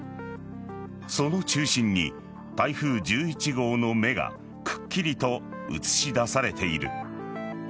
その中心に台風１１号の目がくっきりと写し出されている。